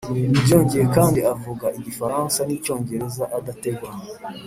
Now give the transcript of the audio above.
byongeye kandi avuga igifaransa n'icyongereza adategwa